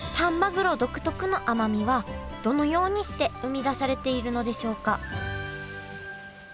黒独特の甘みはどのようにして生み出されているのでしょうか？